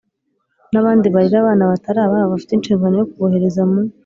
n'abandi barera abana batari ababo bafite inshingano yo kubohereza mu